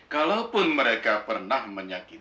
kalaupun mereka pernah menyakitinya